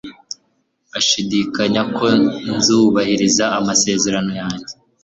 Ashidikanya ko nzubahiriza amasezerano yanjye.